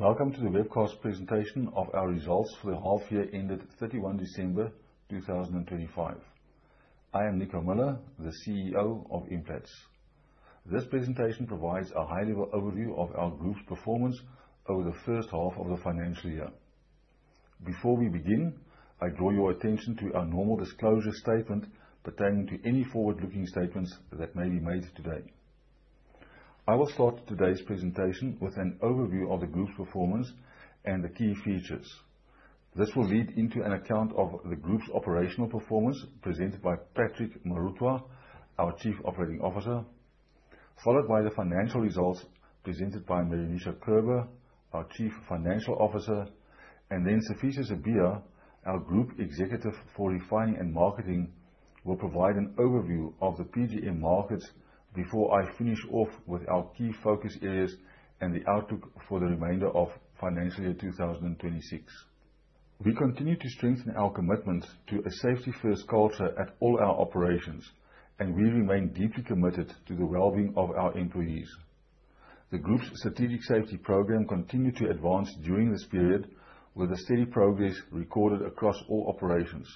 Welcome to the webcast presentation of our results for the half year ended 31 December 2025. I am Nico Muller, the CEO of Implats. This presentation provides a high-level overview of our group's performance over the first half of the financial year. Before we begin, I draw your attention to our normal disclosure statement pertaining to any forward-looking statements that may be made today. I will start today's presentation with an overview of the group's performance and the key features. This will lead into an account of the group's operational performance presented by Patrick Morutlwa, our Chief Operating Officer, followed by the financial results presented by Meroonisha Kerber, our Chief Financial Officer, and then Sifiso Sibiya, our Group Executive for Refining and Marketing, will provide an overview of the PGM markets before I finish off with our key focus areas and the outlook for the remainder of financial year 2026. We continue to strengthen our commitment to a safety-first culture at all our operations, and we remain deeply committed to the wellbeing of our employees. The group's strategic safety program continued to advance during this period, with a steady progress recorded across all operations.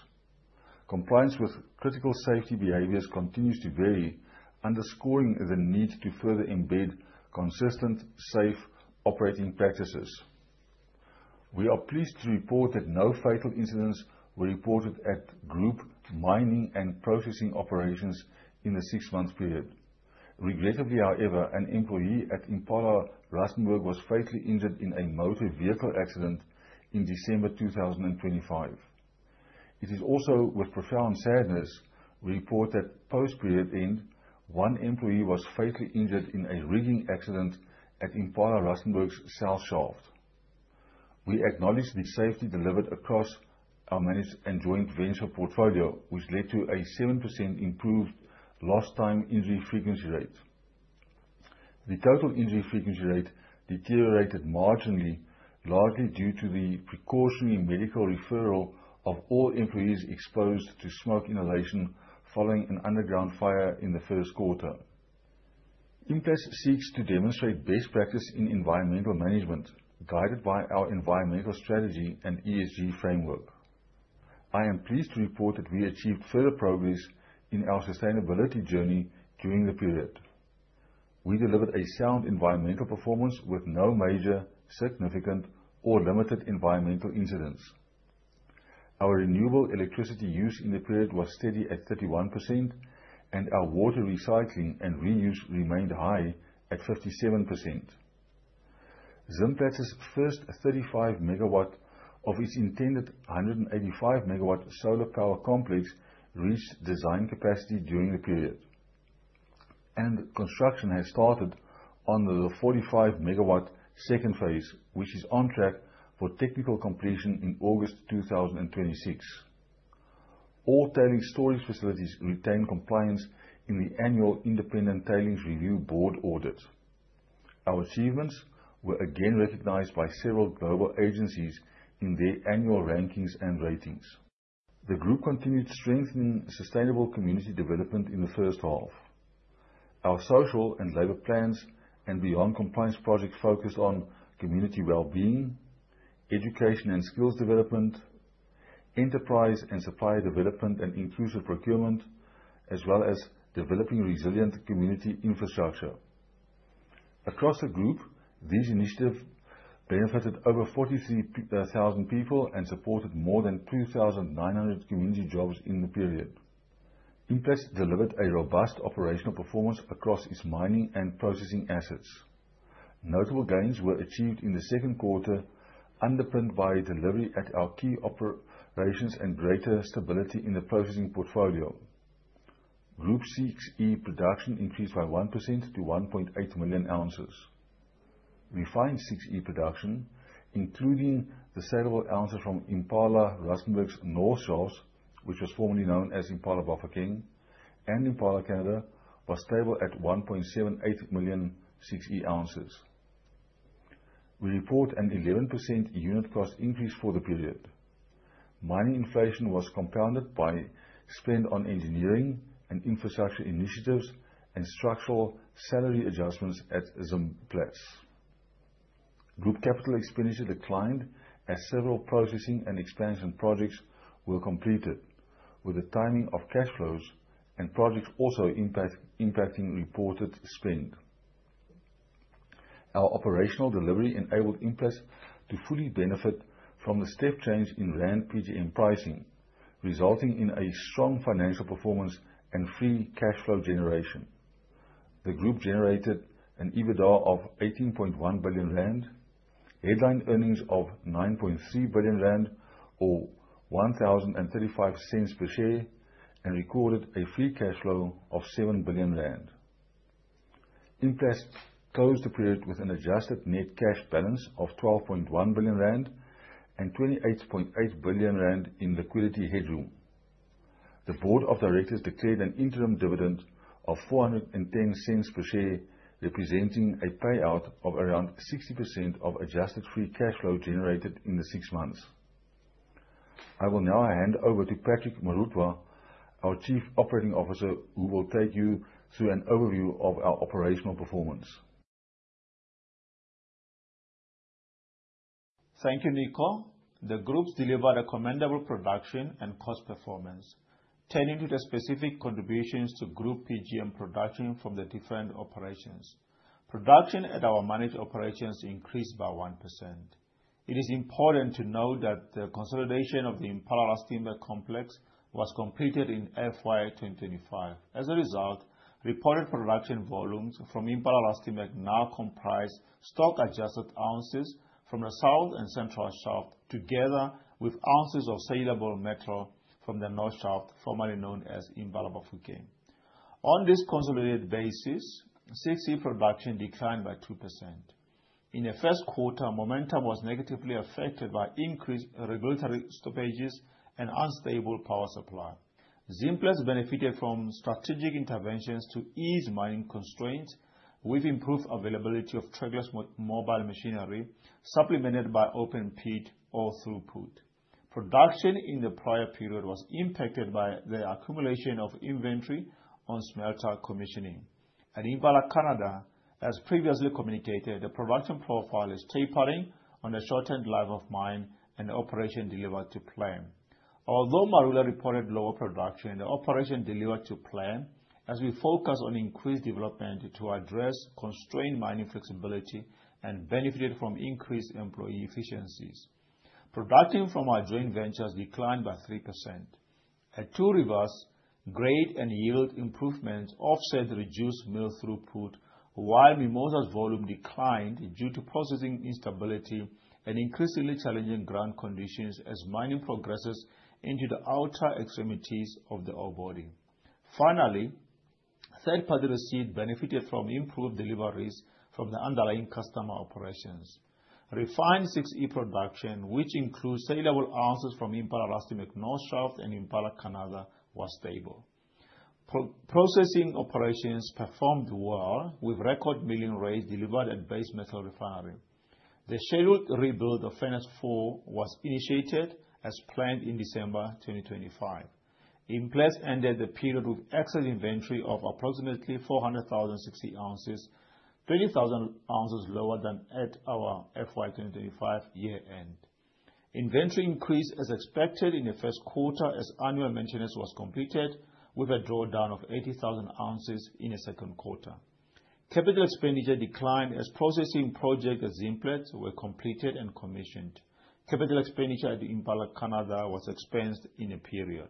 Compliance with critical safety behaviors continues to vary, underscoring the need to further embed consistent, safe operating practices. We are pleased to report that no fatal incidents were reported at Group mining and processing operations in the six-month period. Regrettably, however, an employee at Impala Rustenburg was fatally injured in a motor vehicle accident in December 2025. It is also with profound sadness we report that post period end, one employee was fatally injured in a rigging accident at Impala Rustenburg South Shaft. We acknowledge the safety delivered across our managed and joint venture portfolio, which led to a 7% improved Lost Time Injury Frequency Rate. The Total Recordable Injury Frequency Rate deteriorated marginally, largely due to the precautionary medical referral of all employees exposed to smoke inhalation following an underground fire in the first quarter. Implats seeks to demonstrate best practice in environmental management, guided by our environmental strategy and ESG framework. I am pleased to report that we achieved further progress in our sustainability journey during the period. We delivered a sound environmental performance with no major, significant or limited environmental incidents. Our renewable electricity use in the period was steady at 31% and our water recycling and reuse remained high at 57%. Zimplats' first 35 MW of its intended 185 MW solar power complex reached design capacity during the period, and construction has started on the 45 MW second phase, which is on track for technical completion in August 2026. All tailings storage facilities retain compliance in the annual independent tailings review board audit. Our achievements were again recognized by several global agencies in their annual rankings and ratings. The group continued strengthening sustainable community development in the first half. Our Social and Labour Plans and beyond compliance projects focus on community wellbeing, education and skills development, enterprise and supplier development, and inclusive procurement, as well as developing resilient community infrastructure. Across the group, these initiatives benefited over 43,000 people and supported more than 2,900 community jobs in the period. Implats delivered a robust operational performance across its mining and processing assets. Notable gains were achieved in the second quarter, underpinned by delivery at our key operations and greater stability in the processing portfolio. Group 6E production increased by 1% to 1.8 million ounces. Refined 6E production, including the saleable ounces from Impala Rustenburg's North Shaft, which was formerly known as Impala Bafokeng and Impala Canada, was stable at 1.78 million 6E ounces. We report an 11% unit cost increase for the period. Mining inflation was compounded by spend on engineering and infrastructure initiatives and structural salary adjustments at Zimplats. Group capital expenditure declined as several processing and expansion projects were completed with the timing of cash flows and projects also impacting reported spend. Our operational delivery enabled Implats to fully benefit from the step change in rand PGM pricing, resulting in a strong financial performance and free cash flow generation. The group generated an EBITDA of 18.1 billion rand, headline earnings of 9.3 billion rand or 10.35 per share, and recorded a free cash flow of 7 billion rand. Implats closed the period with an adjusted net cash balance of 12.1 billion rand and 28.8 billion rand in liquidity headroom. The board of directors declared an interim dividend of 4.10 per share, representing a payout of around 60% of adjusted free cash flow generated in the six months. I will now hand over to Patrick Morutlwa, our Chief Operating Officer, who will take you through an overview of our operational performance. Thank you, Nico. The groups deliver commendable production and cost performance. Turning to the specific contributions to group PGM production from the different operations. Production at our managed operations increased by 1%. It is important to note that the consolidation of the Impala Rustenburg complex was completed in FY 2025. As a result, reported production volumes from Impala Rustenburg now comprise stock-adjusted ounces from the South and Central shaft, together with ounces of sellable metal from the North shaft, formerly known as Impala Bafokeng. On this consolidated basis, 6E production declined by 2%. In the first quarter, momentum was negatively affected by increased regulatory stoppages and unstable power supply. Zimplats benefited from strategic interventions to ease mining constraints with improved availability of trackless mobile machinery, supplemented by open pit ore throughput. Production in the prior period was impacted by the accumulation of inventory on smelter commissioning. At Impala Canada, as previously communicated, the production profile is tapering on the shortened life of mine and the operation delivered to plan. Although Marula reported lower production, the operation delivered to plan as we focus on increased development to address constrained mining flexibility and benefited from increased employee efficiencies. Production from our joint ventures declined by 3%. At Two Rivers, grade and yield improvements offset reduced mill throughput, while Mimosa's volume declined due to processing instability and increasingly challenging ground conditions as mining progresses into the outer extremities of the ore body. Finally, third-party receipts benefited from improved deliveries from the underlying customer operations. Refined 6E production, which includes sellable ounces from Impala Rustenburg North shaft and Impala Canada, was stable. Processing operations performed well, with record milling rates delivered at base metal refinery. The scheduled rebuild of Furnace 4 was initiated as planned in December 2025. Implats ended the period with excellent inventory of approximately 400,000 6E ounces, 20,000 ounces lower than at our FY 2025 year-end. Inventory increased as expected in the first quarter as annual maintenance was completed, with a drawdown of 80,000 ounces in the second quarter. Capital expenditure declined as processing projects at Zimplats were completed and commissioned. Capital expenditure at Impala Canada was expensed in the period.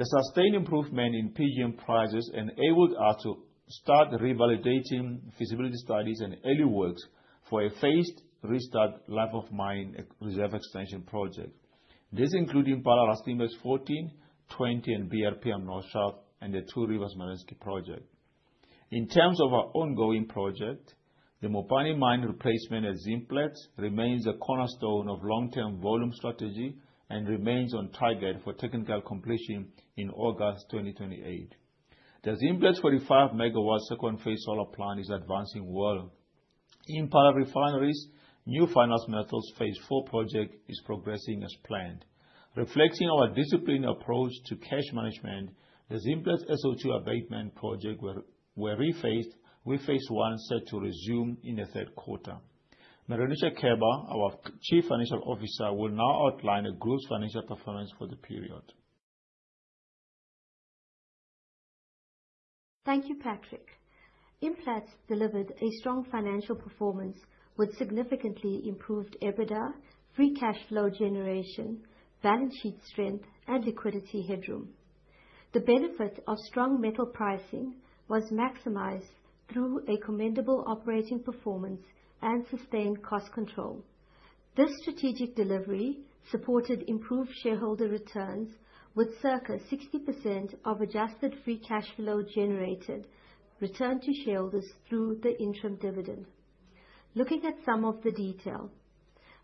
The sustained improvement in PGM prices enabled us to start revalidating feasibility studies and early works for a phased restart life of mine reserve extension project. This includes Impala Rustenburg 14, 20, and BRPM North shaft and the Two Rivers Malaki project. In terms of our ongoing project, the Mupani Mine replacement at Zimplats remains a cornerstone of long-term volume strategy and remains on target for technical completion in August 2028. The Zimplats 45 megawatt second phase solar plant is advancing well. Impala Refineries new Furnace Matte phase four project is progressing as planned. Reflecting our disciplined approach to cash management, the Zimplats SO2 abatement project were rephased, with phase 1 set to resume in the third quarter. Meroonisha Kerber, our Chief Financial Officer, will now outline the group's financial performance for the period. Thank you, Patrick. Implats delivered a strong financial performance with significantly improved EBITDA, free cash flow generation, balance sheet strength and liquidity headroom. The benefit of strong metal pricing was maximized through a commendable operating performance and sustained cost control. This strategic delivery supported improved shareholder returns with circa 60% of adjusted free cash flow generated returned to shareholders through the interim dividend. Looking at some of the detail.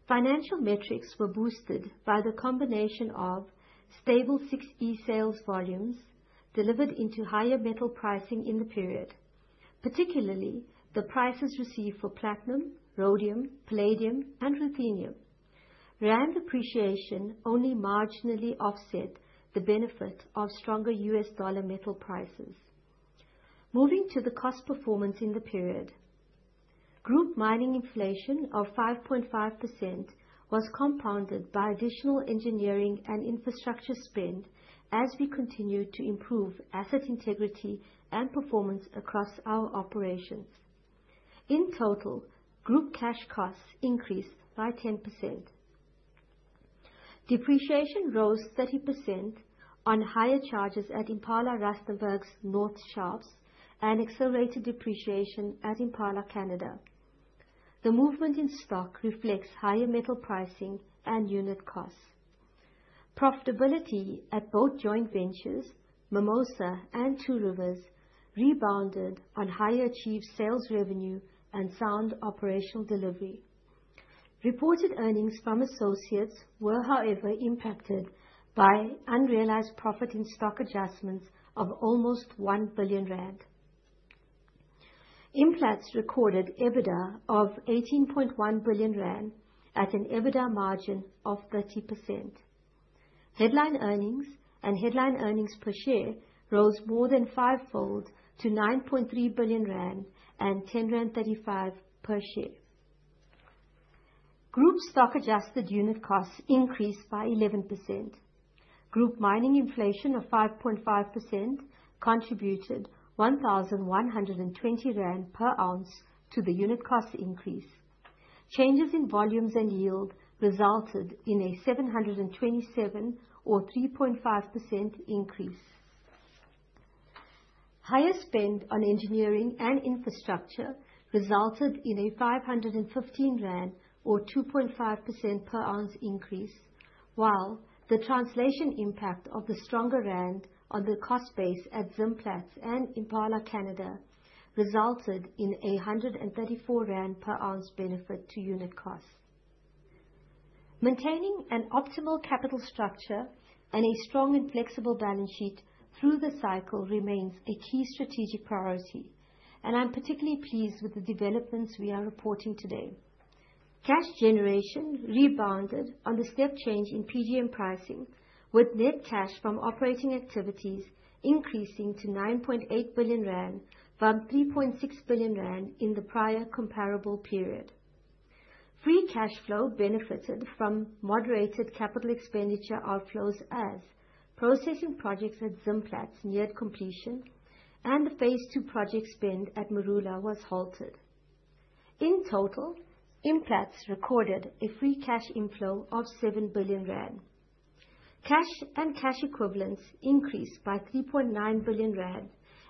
Financial metrics were boosted by the combination of stable 6E sales volumes delivered into higher metal pricing in the period, particularly the prices received for platinum, rhodium, palladium and ruthenium. ZAR appreciation only marginally offset the benefit of stronger US dollar metal prices. Moving to the cost performance in the period. Group mining inflation of 5.5% was compounded by additional engineering and infrastructure spend as we continued to improve asset integrity and performance across our operations. In total, group cash costs increased by 10%. Depreciation rose 30% on higher charges at Impala Rustenburg's North shafts and accelerated depreciation at Impala Canada. The movement in stock reflects higher metal pricing and unit costs. Profitability at both joint ventures, Mimosa and Two Rivers, rebounded on higher achieved sales revenue and sound operational delivery. Reported earnings from associates were, however, impacted by unrealized profit and stock adjustments of almost 1 billion rand. Implats recorded EBITDA of 18.1 billion rand at an EBITDA margin of 30%. Headline earnings and headline earnings per share rose more than five-fold to 9.3 billion rand and 10.35 per share. Group stock adjusted unit costs increased by 11%. Group mining inflation of 5.5% contributed 1,120 rand per ounce to the unit cost increase. Changes in volumes and yield resulted in a 727 or 3.5% increase. Higher spend on engineering and infrastructure resulted in a 515 rand or 2.5% per ounce increase. While the translation impact of the stronger rand on the cost base at Zimplats and Impala Canada resulted in 134 rand per ounce benefit to unit cost. Maintaining an optimal capital structure and a strong and flexible balance sheet through the cycle remains a key strategic priority, and I'm particularly pleased with the developments we are reporting today. Cash generation rebounded on the step change in PGM pricing, with net cash from operating activities increasing to 9.8 billion rand from 3.6 billion rand in the prior comparable period. Free cash flow benefited from moderated capital expenditure outflows as processing projects at Zimplats neared completion and the phase 2 project spend at Marula was halted. In total, Implats recorded a free cash inflow of 7 billion rand. Cash and cash equivalents increased by 3.9 billion rand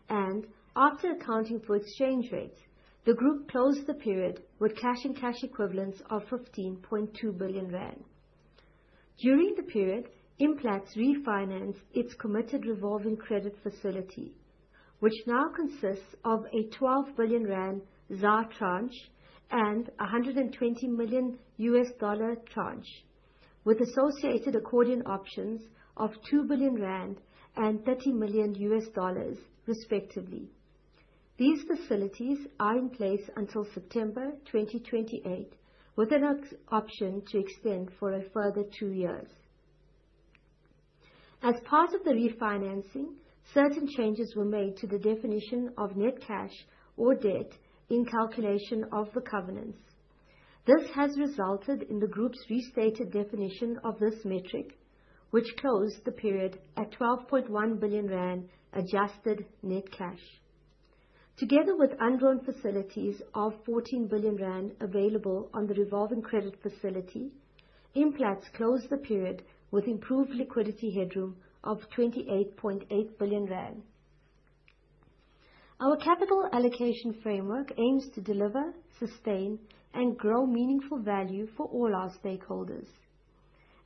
and after accounting for exchange rates, the group closed the period with cash and cash equivalents of 15.2 billion rand. During the period, Implats refinanced its committed revolving credit facility, which now consists of a 12 billion rand tranche and 120 million US dollar tranche with associated accordion options of 2 billion rand and 30 million US dollars respectively. These facilities are in place until September 2028 with an option to extend for a further two years. As part of the refinancing, certain changes were made to the definition of net cash or debt in calculation of the covenants. This has resulted in the group's restated definition of this metric, which closed the period at 12.1 billion rand adjusted net cash. Together with undrawn facilities of 14 billion rand available on the revolving credit facility, Implats closed the period with improved liquidity headroom of 28.8 billion rand. Our capital allocation framework aims to deliver, sustain, and grow meaningful value for all our stakeholders.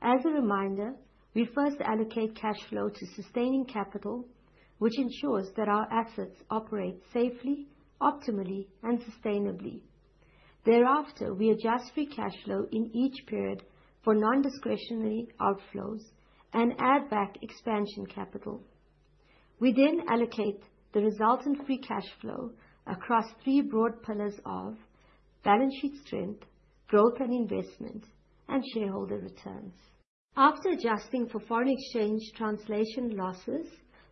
As a reminder, we first allocate cash flow to sustaining capital, which ensures that our assets operate safely, optimally, and sustainably. Thereafter, we adjust free cash flow in each period for non-discretionary outflows and add back expansion capital. We then allocate the resultant free cash flow across three broad pillars of balance sheet strength, growth and investment, and shareholder returns. After adjusting for foreign exchange translation losses,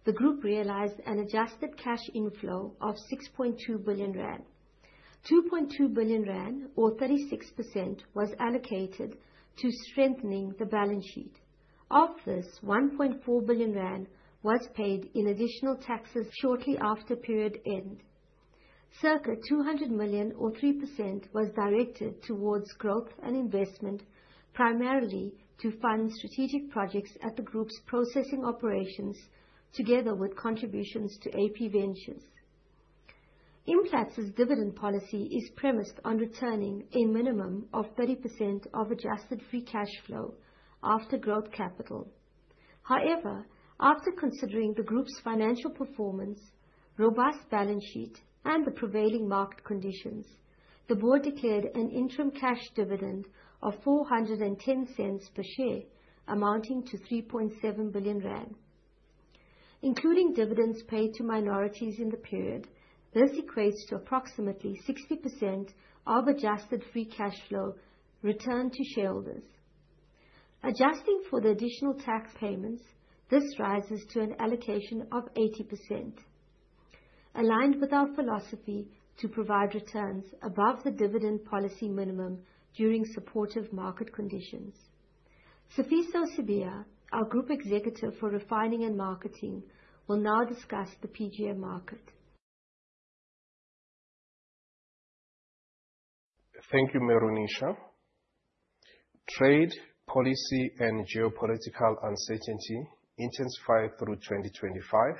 the group realized an adjusted cash inflow of 6.2 billion rand, 2.2 billion rand or 36% was allocated to strengthening the balance sheet. Of this, 1.4 billion rand was paid in additional taxes shortly after period end. Circa 200 million or 3% was directed towards growth and investment, primarily to fund strategic projects at the group's processing operations together with contributions to AP Ventures. Implats' dividend policy is premised on returning a minimum of 30% of adjusted free cash flow after growth capital. However, after considering the group's financial performance, robust balance sheet, and the prevailing market conditions, the board declared an interim cash dividend of 4.10 per share amounting to 3.7 billion rand. Including dividends paid to minorities in the period, this equates to approximately 60% of adjusted free cash flow returned to shareholders. Adjusting for the additional tax payments, this rises to an allocation of 80%, aligned with our philosophy to provide returns above the dividend policy minimum during supportive market conditions. Sifiso Sibiya, our group executive for refining and marketing, will now discuss the PGM market. Thank you, Meroonisha. Trade, policy, and geopolitical uncertainty intensified through 2025,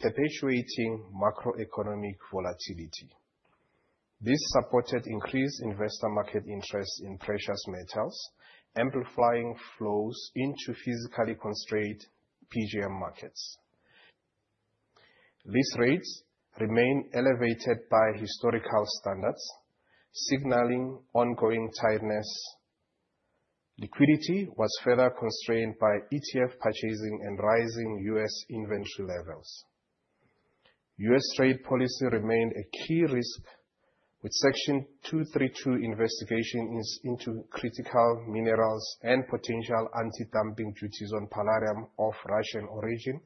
perpetuating macroeconomic volatility. This supported increased investor market interest in precious metals, amplifying flows into physically constrained PGM markets. These rates remain elevated by historical standards, signaling ongoing tightness. Liquidity was further constrained by ETF purchasing and rising U.S. inventory levels. U.S. trade policy remained a key risk with Section 232 investigation into critical minerals and potential antidumping duties on palladium of Russian origin,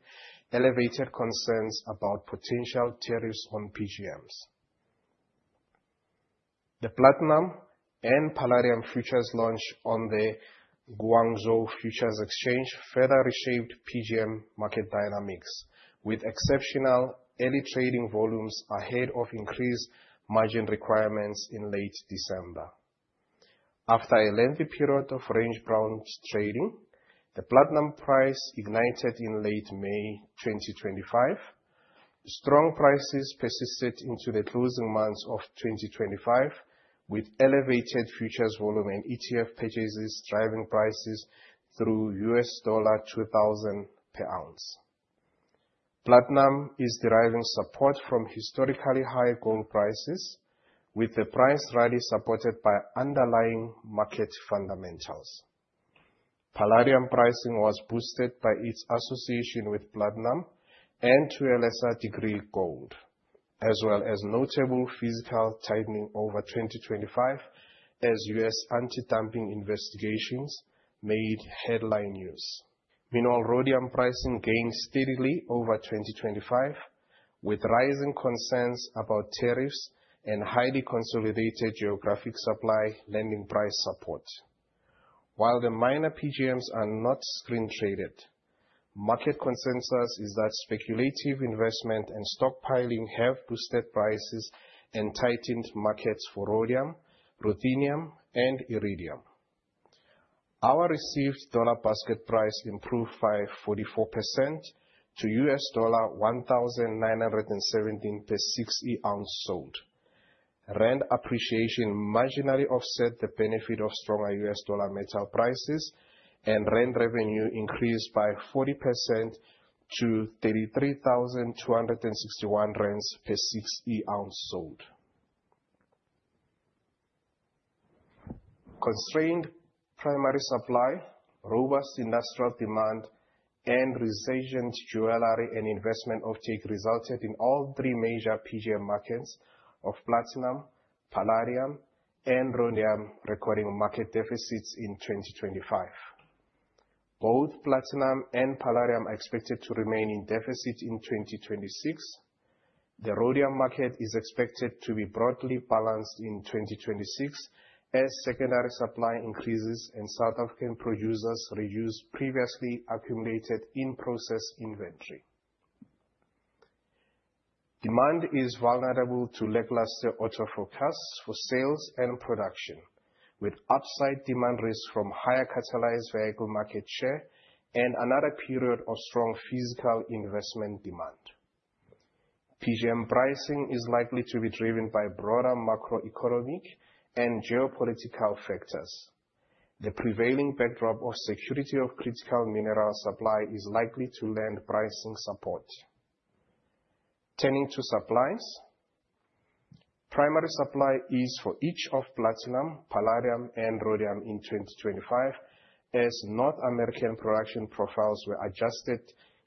elevated concerns about potential tariffs on PGMs. The platinum and palladium futures launch on the Guangzhou Futures Exchange further reshaped PGM market dynamics with exceptional early trading volumes ahead of increased margin requirements in late December. After a lengthy period of range-bound trading, the platinum price ignited in late May 2025. Strong prices persisted into the closing months of 2025, with elevated futures volume and ETF purchases driving prices through $2,000 per ounce. Platinum is deriving support from historically high gold prices, with the price rally supported by underlying market fundamentals. Palladium pricing was boosted by its association with platinum and to a lesser degree, gold, as well as notable physical tightening over 2025 as U.S. anti-dumping investigations made headline news. Meanwhile, rhodium pricing gained steadily over 2025, with rising concerns about tariffs and highly consolidated geographic supply lending price support. While the minor PGMs are not screen-traded, market consensus is that speculative investment and stockpiling have boosted prices and tightened markets for rhodium, ruthenium, and iridium. Our received dollar basket price improved by 44% to $1,917 per 6E ounces sold. ZAR appreciation marginally offset the benefit of stronger U.S. dollar metal prices and ZAR revenue increased by 40% to 33,261 rand per 6E ounces sold. Constrained primary supply, robust industrial demand, and resilient jewelry and investment offtake resulted in all three major PGM markets of platinum, palladium, and rhodium recording market deficits in 2025. Both platinum and palladium are expected to remain in deficit in 2026. The rhodium market is expected to be broadly balanced in 2026 as secondary supply increases and South African producers reuse previously accumulated in-process inventory. Demand is vulnerable to lackluster auto forecasts for sales and production, with upside demand risk from higher catalyzed vehicle market share and another period of strong physical investment demand. PGM pricing is likely to be driven by broader macroeconomic and geopolitical factors. The prevailing backdrop of security of critical mineral supply is likely to lend pricing support. Turning to supplies. Primary supply is for each of platinum, palladium, and rhodium in 2025, as North American production profiles were adjusted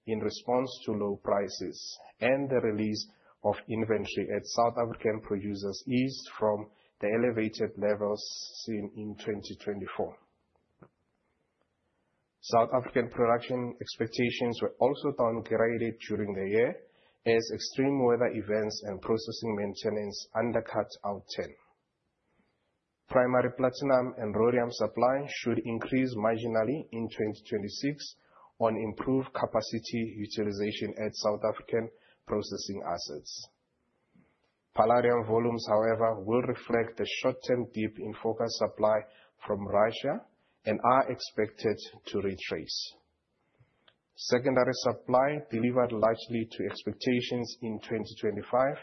in response to low prices and the release of inventory at South African producers eased from the elevated levels seen in 2024. South African production expectations were also downgraded during the year as extreme weather events and processing maintenance undercut outturn. Primary platinum and rhodium supply should increase marginally in 2026 on improved capacity utilization at South African processing assets. Palladium volumes, however, will reflect the short-term dip in forecast supply from Russia and are expected to retrace. Secondary supply delivered largely to expectations in 2025,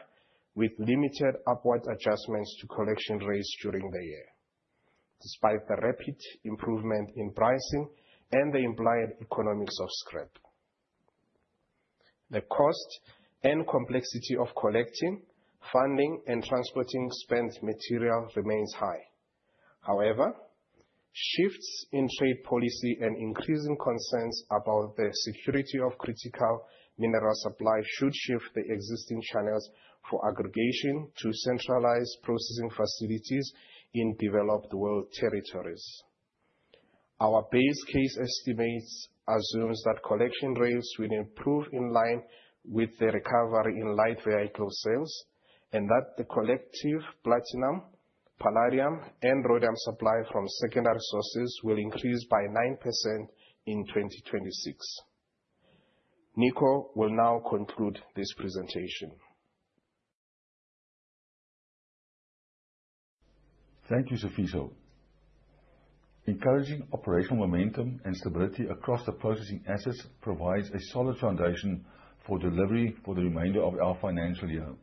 with limited upward adjustments to collection rates during the year. Despite the rapid improvement in pricing and the implied economics of scrap. The cost and complexity of collecting, funding, and transporting spent material remains high. Shifts in trade policy and increasing concerns about the security of critical mineral supply should shift the existing channels for aggregation to centralized processing facilities in developed world territories. Our base case estimate assumes that collection rates will improve in line with the recovery in light vehicle sales and that the collective platinum, palladium, and rhodium supply from secondary sources will increase by 9% in 2026. Nico will now conclude this presentation. Thank you, Sifiso. Encouraging operational momentum and stability across the processing assets provides a solid foundation for delivery for the remainder of our financial year.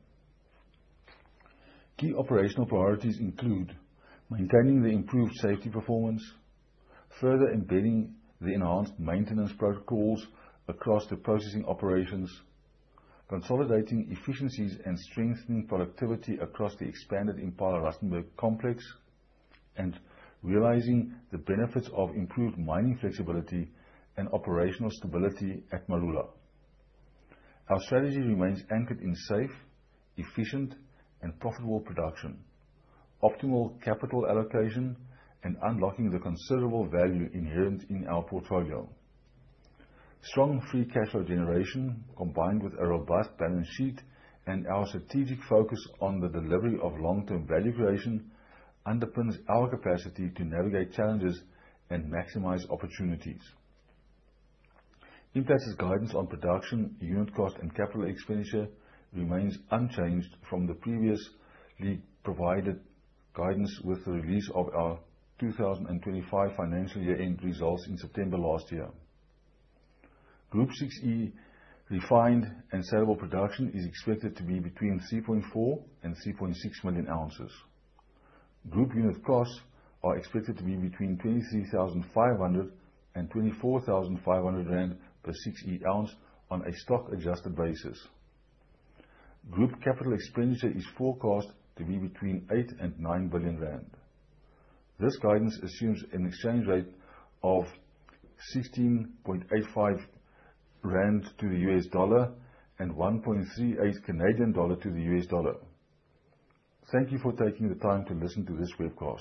Key operational priorities include maintaining the improved safety performance, further embedding the enhanced maintenance protocols across the processing operations, consolidating efficiencies and strengthening productivity across the expanded Impala Rustenburg complex, and realizing the benefits of improved mining flexibility and operational stability at Marula. Our strategy remains anchored in safe, efficient, and profitable production, optimal capital allocation, and unlocking the considerable value inherent in our portfolio. Strong free cash flow generation, combined with a robust balance sheet and our strategic focus on the delivery of long-term value creation, underpins our capacity to navigate challenges and maximize opportunities. Impala's guidance on production, unit cost, and capital expenditure remains unchanged from the previously provided guidance with the release of our 2025 financial year-end results in September last year. Group 6E refined and sellable production is expected to be between 3.4 and 3.6 million ounces. Group unit costs are expected to be between 23,500 and 24,500 rand per 6E ounces on a stock-adjusted basis. Group capital expenditure is forecast to be between 8 billion and 9 billion rand. This guidance assumes an exchange rate of 16.85 rand to the US dollar and 1.38 Canadian dollar to the US dollar. Thank you for taking the time to listen to this webcast.